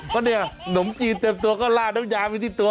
เพราะนี่หนุ่มจีนเต็บตัวก็ราดน้ำยาวไปที่ตัว